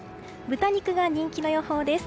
豚肉が人気の予報です。